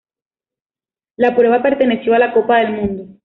La prueba perteneció a la Copa del Mundo.